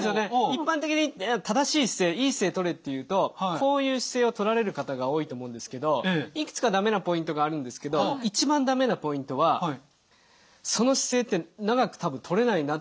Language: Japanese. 一般的に正しい姿勢いい姿勢とれって言うとこういう姿勢をとられる方が多いと思うんですけどいくつか駄目なポイントがあるんですけど一番駄目なポイントはその姿勢って長く多分とれないなって思うんですね。